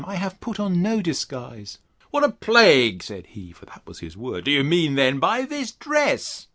I have put on no disguise.—What a plague, said he, for that was his word, do you mean then by this dress?